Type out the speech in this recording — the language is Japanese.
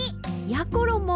やころも